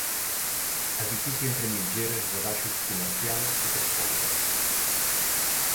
Edifici entre mitgeres de baixos comercial i tres plantes.